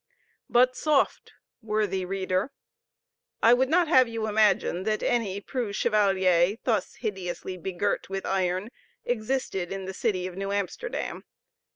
But soft, worthy reader! I would not have you imagine that any preux chevalier, thus hideously begirt with iron, existed in the city of New Amsterdam.